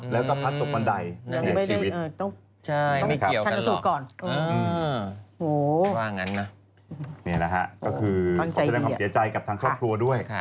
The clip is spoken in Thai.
แล้วก็พัดตกบันไดในชีวิตต้องชันสูตรก่อนนี่แหละครับก็คือขอบคุณกับความเสียใจกับทางครอบครัวด้วย